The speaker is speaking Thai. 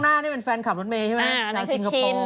หน้านี่เป็นแฟนคลับรถเมย์ใช่ไหม